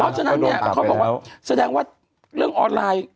เพราะฉะนั้นเนี่ยเขาบอกว่าแสดงว่าเรื่องออนไลน์